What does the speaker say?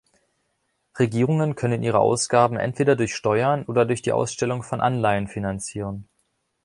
Regierungen können ihre Ausgaben entweder durch Steuern oder durch die Ausstellung von Anleihen finanzieren.